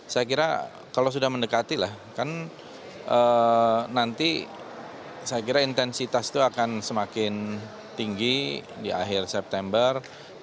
saya kira kalau sudah mendekati lah kan nanti saya kira intensitas itu akan semakin tinggi di akhir september